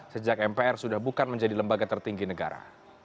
sejak mpr sudah bukan menjadi lembaga tertinggi negara